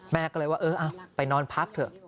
แม่ก็เลยว่าเออไปนอนพักเถอะ